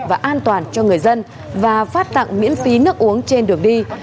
và an toàn cho người dân và phát tặng miễn phí nước uống trên đường đi